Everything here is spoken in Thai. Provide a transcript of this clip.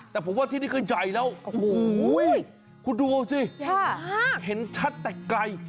แต่ผมว่าที่นี่คือใหญ่แล้วโอ้โหคุณดูสิเห็นชัดแต่ไกล